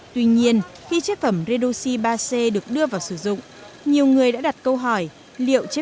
tuy nhiên khi chế phẩm redoxi ba c được đưa vào sử dụng nhiều người đã đặt câu hỏi liệu chế